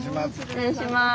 失礼します。